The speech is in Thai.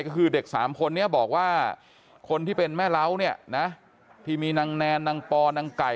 ก็คือเด็กสามคนนี้บอกว่าคนที่เป็นแม่เล้าเนี่ยนะที่มีนางแนนนางปอนางไก่